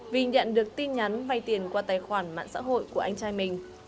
vì nhận được tin nhắn vay tiền qua tài khoản mạng xã hội của anh trai mình